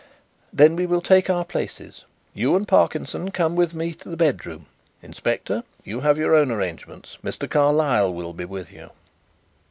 "Then we will take our places. You and Parkinson come with me to the bedroom. Inspector, you have your own arrangements. Mr. Carlyle will be with you."